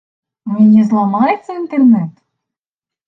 У мяне зламаецца інтэрнэт?